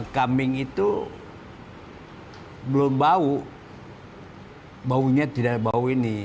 kambing itu belum bau baunya tidak bau ini